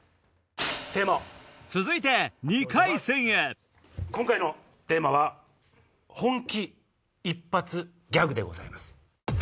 続いて今回のテーマは「本気一発ギャグ」でございます。